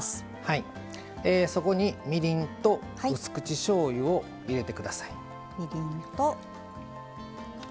そこに、みりんとうす口しょうゆを入れてください。